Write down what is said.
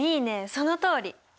そのとおり。